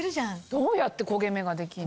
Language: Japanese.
どうやって焦げ目ができんの？